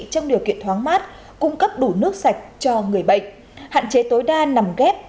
trong điều kiện thoáng mát cung cấp đủ nước sạch cho người bệnh hạn chế tối đa nằm ghép